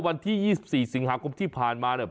วันที่๒๔สิงหาคมที่ผ่านมาเนี่ย